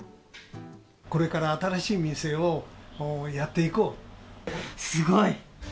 これから新しい店をやっていすごい！